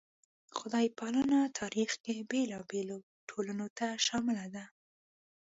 خدای پالنه تاریخ کې بېلابېلو ټولنو ته شامله ده.